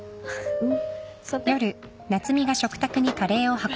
うん。